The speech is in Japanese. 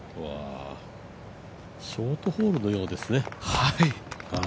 ショートホールのようですね。